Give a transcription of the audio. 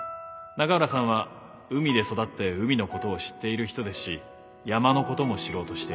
永浦さんは海で育って海のことを知っている人ですし山のことも知ろうとしている。